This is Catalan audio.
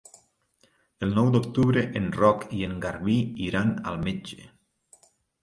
El nou d'octubre en Roc i en Garbí iran al metge.